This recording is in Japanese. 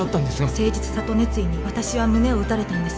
誠実さと熱意に私は胸を打たれたんです